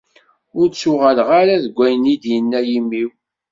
Ur ttuɣaleɣ ara deg wayen i d-inna yimi-w.